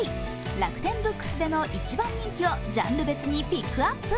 楽天ブックスでの一番人気をジャンル別にピックアップ。